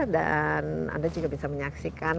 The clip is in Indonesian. dan anda juga bisa menyaksikan